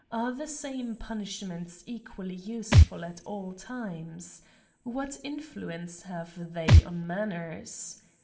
Are the same punishments equally useful at all times ? What influence have they on man ners